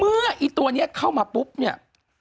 ไอ้ตัวนี้เข้ามาปุ๊บเนี่ย